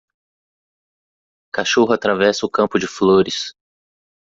Cachorro atravessa o campo de flores